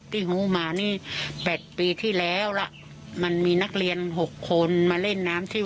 หูมานี่แปดปีที่แล้วล่ะมันมีนักเรียน๖คนมาเล่นน้ำที่